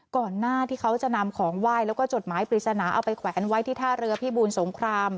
ก่อนหน้าที่เขาจะนำของไหว้แล้วก็จดหมายปริศนาเอาไปแขวนไว้ที่ท่าเรือพิบูลสงคราม